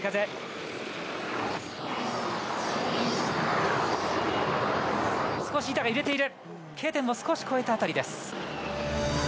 Ｋ点を少し越えた辺りです。